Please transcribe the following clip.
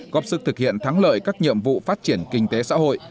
góp sức thực hiện thắng lợi các nhiệm vụ phát triển kinh tế xã hội